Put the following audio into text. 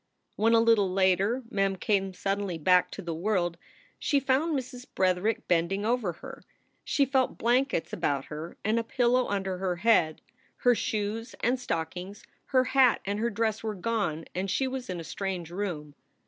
When, a little later, Mem came suddenly back to the world, she found Mrs. Bretherick bending over her. She felt blankets about her and a pillow under her head. Her SOULS FOR SALE 23 shoes and stockings, her hat and her dress, were gone, and she was in a strange room.